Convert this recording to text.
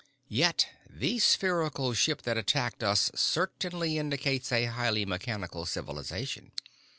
Yet the spherical ship that attacked us certainly indicates a highly mechanical civilization.